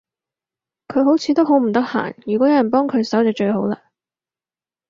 佢好似都好唔得閒，如果有人幫佢手就最好嘞